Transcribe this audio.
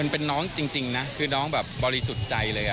เป็นน้องจริงนะคือน้องแบบบริสุทธิ์ใจเลย